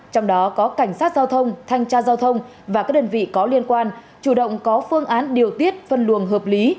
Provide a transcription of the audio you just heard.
trong đó có cảnh sát giao thông thanh tra giao thông và các đơn vị có liên quan chủ động có phương án điều tiết phân luồng hợp lý